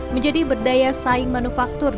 menjadi berdaya saing manufaktur